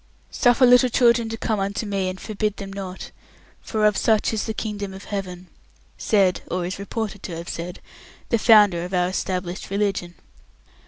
"Suffer little children to come unto Me, and forbid them not, for of such is the Kingdom of Heaven," said, or is reported to have said, the Founder of our Established Religion.